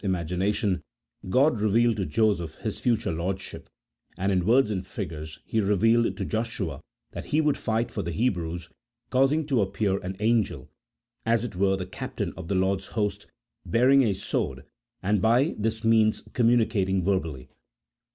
imagination, God revealed to Joseph his future lordship, and in words and figures He revealed to Joshua that He would fight for the Hebrews, causing to appear an angel, as it were the Captain of the Lord's host, bearing a sword, and by this means communicating verbally.